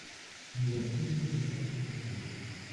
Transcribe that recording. Biografías de personas importantes.